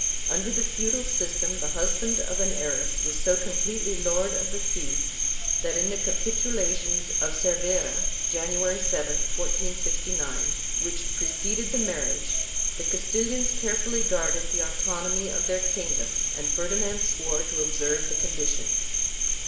Under the feudal system, the husband of an heiress was so completely lord of the fief that, in the Capitulations of Cervera, January 7, 1469r which preceded the marriage, the Castilians carefully guarded the autonomy of their kingdom and Ferdinand swore to observe the conditions.